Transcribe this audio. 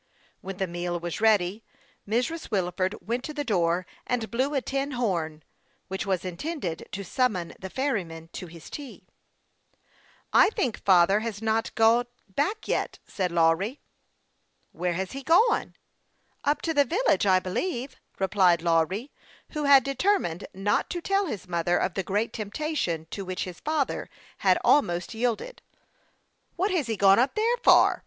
When the meal was ready, Mrs. Wilford went to the door and blew a tin horn, which was intended to summon the ferryman to his tea. " I think father has not got back yet," said Lawry, as his mother returned to the kitchen. " Where has he gone ?"" Up to the village, I believe," replied Lawry, who had determined not to tell his mother of the great temptation to which his father had almost yielded. "What has he gone up there for?"